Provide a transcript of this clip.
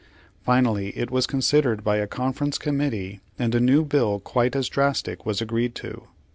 Finally it was considered by a conference committee, and a new bill quite as drastic was agreed to.